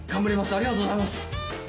ありがとうございます。